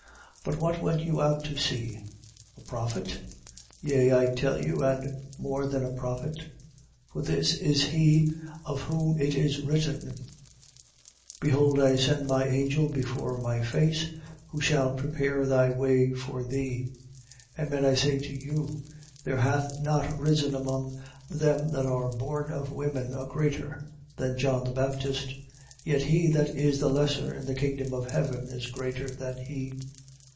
11:9. But what went you out to see? A prophet? Yea I tell you, and more than a prophet. 11:10. For this is he of whom it is written: Behold I send my angel before my face, who shall prepare thy way before thee. 11:11. Amen I say to you, there hath not risen among them that are born of women a greater than John the Baptist: yet he that is the lesser in the kingdom of heaven is greater than he.